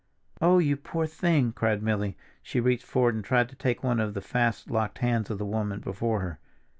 "Oh, you poor thing!" cried Milly. She reached forward and tried to take one of the fast locked hands of the woman before her.